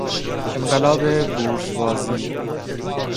انقلاب بورژوازی